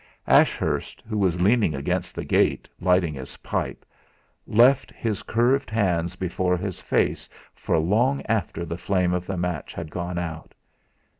Ashurst, who was leaning against the gate, lighting his pipe, left his curved hands before his face for long after the flame of the match had gone out.